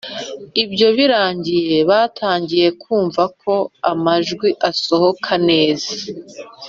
Ibyo birangiye batangiye kumva ko amajwi asohoka neza,